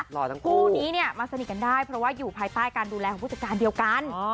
ทั้งคู่นี้เนี่ยมาสนิทกันได้เพราะว่าอยู่ภายใต้การดูแลของผู้จัดการเดียวกัน